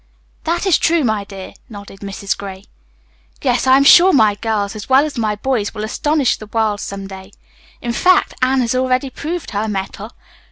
"That is true, my dear," nodded Mrs. Gray. "Yet I am sure my girls as well as my boys will astonish the world some day. In fact, Anne has already proved her mettle.